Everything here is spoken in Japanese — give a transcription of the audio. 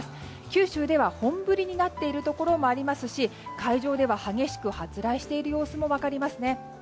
九州では本降りとなっているところもありますし海上では激しく発雷している様子も分かりますね。